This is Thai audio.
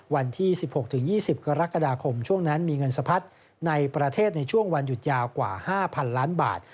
วันที่๑๖๒๐กรกฎาคมช่วงนั้นมีเงินสะพัดในประเทศในช่วงวันหยุดยาวกว่า๕๐๐๐ล้านบาท